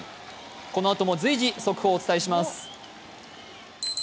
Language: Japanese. このあとも随時速報をお伝えします。